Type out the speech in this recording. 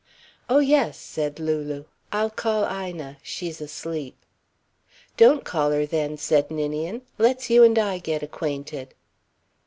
"Oh, yes," said Lulu. "I'll call Ina. She's asleep." "Don't call her, then," said Ninian. "Let's you and I get acquainted."